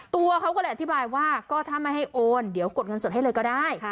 ตัวเขาก็เลยอธิบายว่าก็ถ้าไม่ให้โอนเดี๋ยวกดเงินสดให้เลยก็ได้